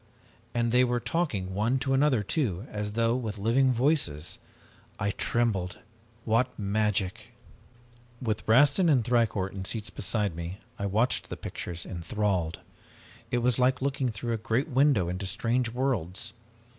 And they were talking one to another, too, as though with living voices! I trembled. What magic! "With Rastin and Thicourt in seats beside me, I watched the pictures enthralled. It was like looking through a great window into strange worlds.